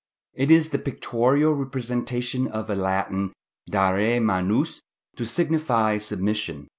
It is the pictorial representation of the Latin dare manus, to signify submission."